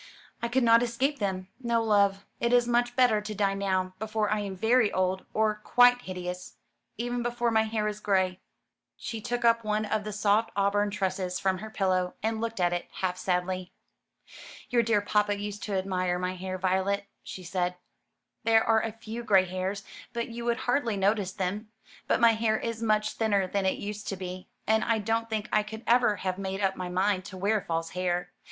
I could not escape them. No, love, it is much better to die now, before I am very old, or quite hideous; even before my hair is gray." She took up one of the soft auburn tresses from her pillow, and looked at it, half sadly. "Your dear papa used to admire my hair, Violet," she said. "There are a few gray hairs, but you would hardly notice them; but my hair is much thinner than it used to be, and I don't think I could ever have made up my mind to wear false hair.